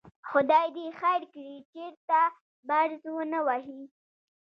خدای دې خیر کړي، چېرته بړز ونه وهي.